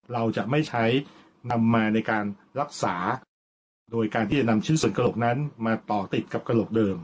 เราจะไม่ใช้นำมาในการรักษานะครับโดยการที่จะนำชิ้นส่วนกระโหลกนั้นมาต่อติดกับกระโหลกเดิม